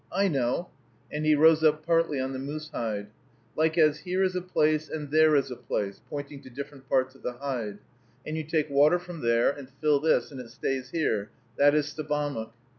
I know," and he rose up partly on the moose hide, "like as here is a place, and there is a place," pointing to different parts of the hide, "and you take water from there and fill this, and it stays here; that is Sebamook."